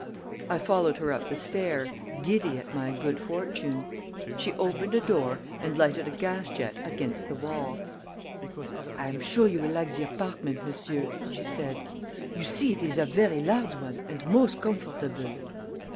I followed her up the stair, giddy at my good fortune. She opened a door and lighted a gas jet against the wall. "I am sure you will like the apartment, monsieur," she said. "You see, it is a very large one and most comfortable."